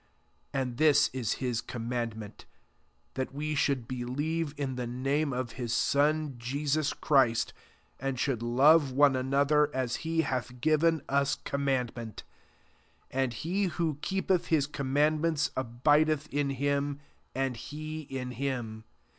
23 And this is his command ment, that we should believe in the name ctf his Son Jesus Christ, and should love one an other as he hath given us com mandment. 24 And he who keepeth his commandments a bideth in Hiro, and He in him.